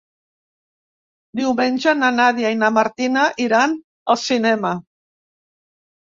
Diumenge na Nàdia i na Martina iran al cinema.